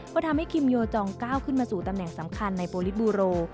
ก็ทำให้คิมโยจองก้าวขึ้นมาสู่ตำแหน่งสำคัญในโปรลิสบูโร